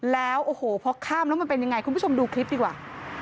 แล้วโอ้โหพอข้ามแล้วมันเป็นยังไงคุณผู้ชมดูคลิปดีกว่า